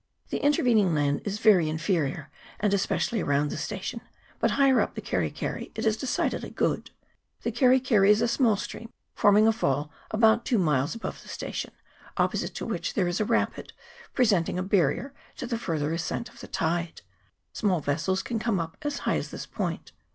The intervening land is very inferior, and especially around the station ; but higher up the Keri keri it is decidedly good. The Keri keri is a small stream, forming a fall about two miles above the station, opposite to which there is a rapid, presenting a barrier to the farther ascent of the tide. Small vessels can come up as high as this point.